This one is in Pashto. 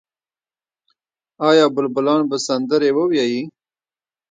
آیا بلبلان به سندرې ووايي؟